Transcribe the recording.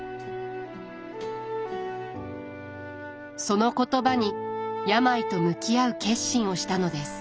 その言葉に病と向き合う決心をしたのです。